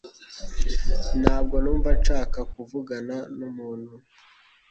Ntabwo numva nshaka kuvugana numuntu.